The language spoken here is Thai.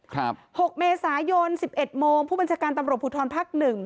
ครับหกเมษายนสิบเอ็ดโมงผู้บัญชาการตำรบพุทธรพักหนึ่ง